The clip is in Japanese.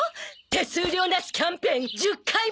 手数料なしキャンペーン１０回払い！